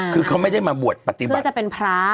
คือเขาไม่ได้มาบวชปฏิบัติก็จะเป็นพระ